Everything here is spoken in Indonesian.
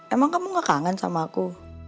emang kamu gak kangen sama aku